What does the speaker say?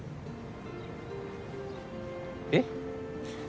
えっ！？